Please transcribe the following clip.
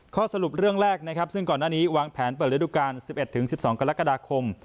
ข้อสรุปเรื่องแรกนะครับซึ่งก่อนหน้านี้วางแผนเปิดฤดูการ๑๑๑๑๒กรกฎาคม